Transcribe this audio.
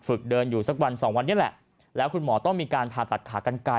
ฝึกเดินอยู่สักวัน๒วันนี้แหละ